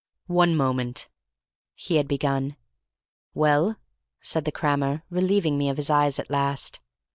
"One moment!" he had begun. "Well?" said the crammer, relieving me of his eyes at last.